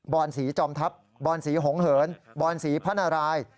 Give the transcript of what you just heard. อนศรีจอมทัพบอนศรีหงเหินบอนศรีพระนาราย